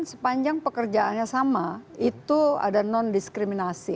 sepanjang pekerjaannya sama itu ada non diskriminasi